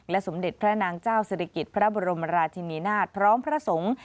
สมเด็จพระนางเจ้าศิริกิจพระบรมราชินีนาฏพร้อมพระสงฆ์